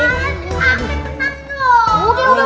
aduh aku kena dong